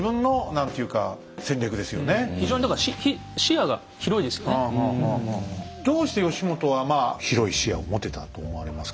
やっぱりでもどうして義元は広い視野を持てたと思われますか？